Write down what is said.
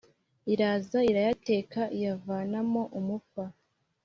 iraza irayateka iyavanamo umufa